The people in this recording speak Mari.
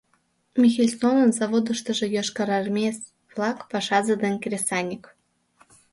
Михельсонын заводыштыжо йошкарармеец-влак пашазе ден кресаньык